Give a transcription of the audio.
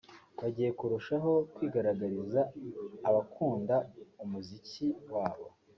bagiye kurushaho kwigaragariza abakunda umuziki wabo